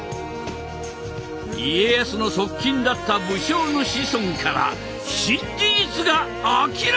家康の側近だった武将の子孫から新事実が明らかに！？